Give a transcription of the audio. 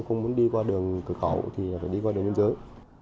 không muốn đi qua đường cửa khẩu thì phải đi qua đường biên giới